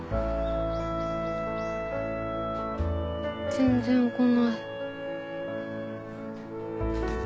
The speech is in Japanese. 全然来ない。